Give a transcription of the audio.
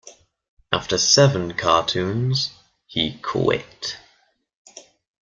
After seven cartoons, he quit.